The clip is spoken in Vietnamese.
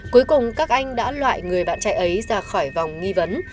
cuối cùng các anh đã loại người bạn trẻ ấy ra khỏi vòng nghi vấn